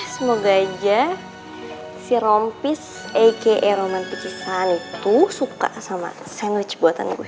semoga aja si rompis a k a roman pekisan itu suka sama sandwich buatan gue